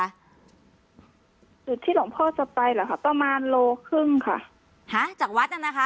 จุดที่หลวงพ่อจะไปเหรอคะประมาณโลครึ่งค่ะหาจากวัดน่ะนะคะ